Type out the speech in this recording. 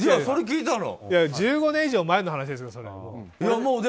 １５年以上前の話ですよ。